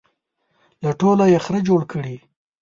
له ټولو یې خره جوړ کړي.